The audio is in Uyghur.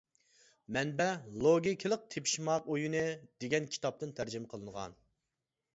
مەنبە: «لوگىكىلىق تېپىشماق ئويۇنى» دېگەن كىتابتىن تەرجىمە قىلغان.